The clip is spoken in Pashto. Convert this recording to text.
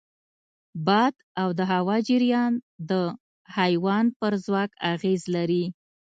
باد او د هوا جریان د حیوان پر ځواک اغېز لري.